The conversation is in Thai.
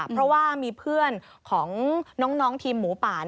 เพราะว่ามีเพื่อนของน้องทีมหมูป่า